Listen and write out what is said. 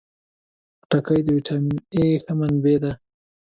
خټکی د ویټامین A ښه منبع ده.